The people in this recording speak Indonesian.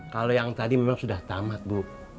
kalau yang tadi memang sudah tamat bu